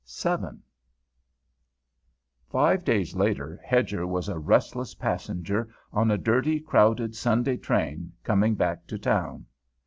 VII Five days later Hedger was a restless passenger on a dirty, crowded Sunday train, coming back to town.